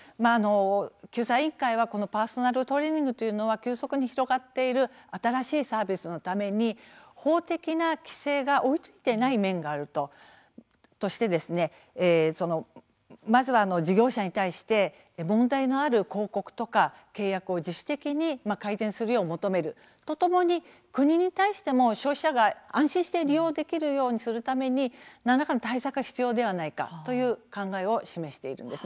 救済委員会はパーソナルトレーニングというのは急速に広がっている新しいサービスのために法的な規制が追いついていない面があるとしてまずは事業者に対して問題のある広告とか契約を自主的に改善するよう求めるとともに国に対しても消費者が安心して利用できるようにするために何らかの対策が必要ではないかという考えを示しているんです。